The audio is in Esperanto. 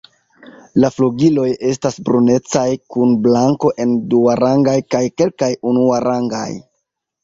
La flugiloj estas brunecaj kun blanko en duarangaj kaj kelkaj unuarangaj.